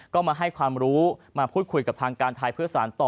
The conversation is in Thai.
ก็มาให้ความรู้มาพูดคุยกับทางการไทยเพื่อสารต่อ